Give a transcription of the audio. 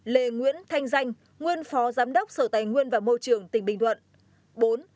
ba lê nguyễn thanh danh nguyên phó giám đốc sở tài nguyên và môi trường tỉnh bình thuận